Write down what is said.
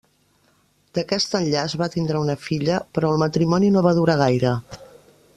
D’aquest enllaç va tindre una filla, però el matrimoni no va durar gaire.